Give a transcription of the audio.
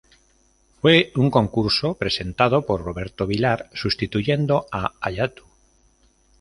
Fue un concurso presentado por Roberto Vilar sustituyendo a "¡Allá tú!